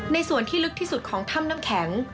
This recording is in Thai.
ส่วนที่ลึกที่สุดของถ้ำน้ำแข็ง